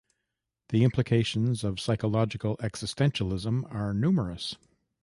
The implications of psychological essentialism are numerous.